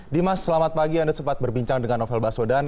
dimas selamat pagi anda sempat berbincang dengan novel baswedan